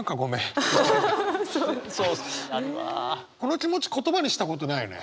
この気持ち言葉にしたことないよね？